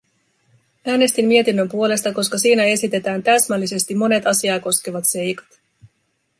Äänestin mietinnön puolesta, koska siinä esitetään täsmällisesti monet asiaa koskevat seikat.